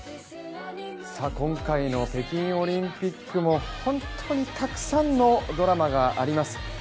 今回の北京オリンピックも本当にたくさんのドラマがあります。